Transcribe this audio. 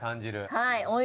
はい。